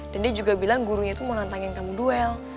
dan dia juga bilang gurunya tuh mau nantangin kamu duel